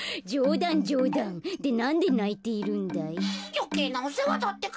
よけいなおせわだってか。